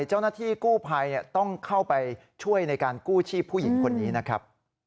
เจ้าหน้าที่กู้ภัยต้องเข้าไปช่วยในการกู้ชีพผู้หญิงคนนี้นะครับ